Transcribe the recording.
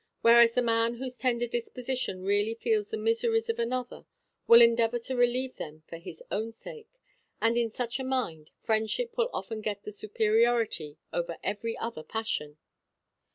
Whereas the man whose tender disposition really feels the miseries of another will endeavour to relieve them for his own sake; and, in such a mind, friendship will often get the superiority over every other passion.